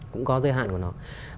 cũng có giới hạn của nó